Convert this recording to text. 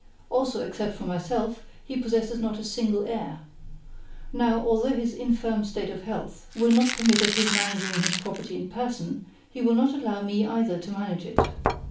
Also, except for myself, he possesses not a single heir. Now, although his infirm state of health will not permit of his managing his property in person, he will not allow me either to manage it.